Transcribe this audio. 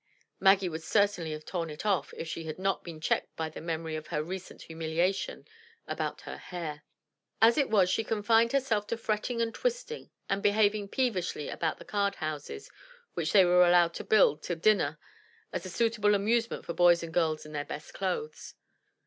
Maggie would certainly have torn it off, if she had not been checked by the memory of her recent humiliation about her hair; as it was she confined herself to fretting and twisting and behaving peevishly about the card houses which they were allowed to build till dinner as a suitable amusement for boys and girls in their best clothes.